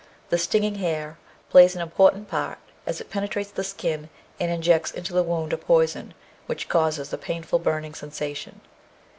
The stinging hair plays an important part, as it penetrates the skin and injects into the wound a poison which causes the painful "burning" sensation.